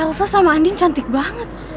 elsa sama andin cantik banget